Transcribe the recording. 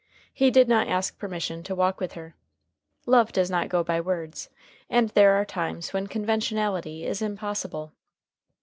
He did not ask permission to walk with her. Love does not go by words, and there are times when conventionality is impossible.